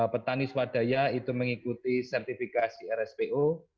petani swadaya itu mengikuti sertifikasi rspo